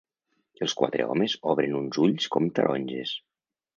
Els quatre homes obren uns ulls com taronges.